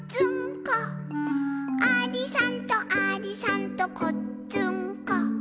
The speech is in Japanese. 「ありさんとありさんとこっつんこ」